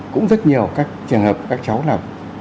cũng rất nhiều trường hợp các cháu là